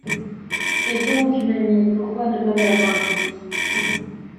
Et doncques, ma mye, pourquoy ne pas me l’avoir dict?